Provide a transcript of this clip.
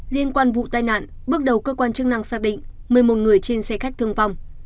liên quan vụ tai nạn bước đầu cơ quan chức năng xác định một mươi một người trên xe khách thương vong